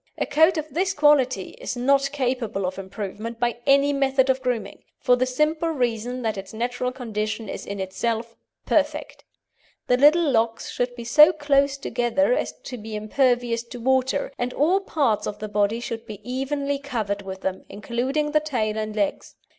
A coat of this quality is not capable of improvement by any method of grooming, for the simple reason that its natural condition is in itself perfect. The little locks should be so close together as to be impervious to water, and all parts of the body should be evenly covered with them, including the tail and legs.